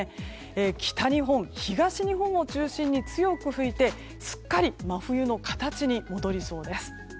北日本、東日本を中心に強く吹いてすっかり真冬の形に戻りそうです。